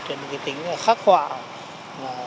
trên một tính khắc họa